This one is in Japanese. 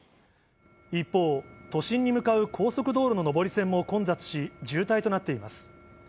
一方、都心に向かう高速道路の上り線も混雑し、渋滞となっています。